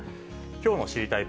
きょうの知りたいッ！